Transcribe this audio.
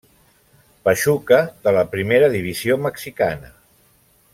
Pachuca de la Primera Divisió Mexicana.